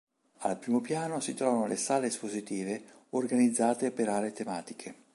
Al primo piano si trovano le sale espositive organizzate per aree tematiche.